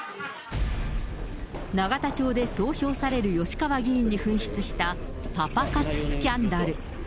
永田町でそう評される吉川議員に噴出した、パパ活スキャンダル。